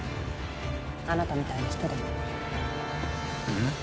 あなたみたいな人でもあん？